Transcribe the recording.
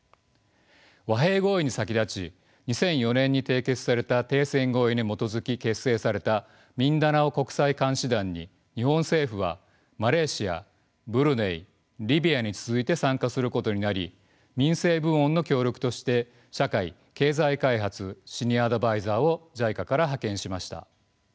和平合意に先立ち２００４年に締結された停戦合意に基づき結成されたミンダナオ国際監視団に日本政府はマレーシアブルネイリビアに続いて参加することになり民生部門の協力として社会経済開発シニア・アドバイザーをＪＩＣＡから派遣しました。